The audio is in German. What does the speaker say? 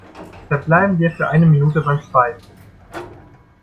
Verbleiben wir für eine Minute beim Schweigen!